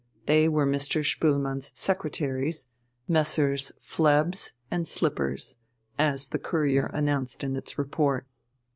They were Mr. Spoelmann's secretaries, Messrs. Phlebs and Slippers, as the Courier announced in its report.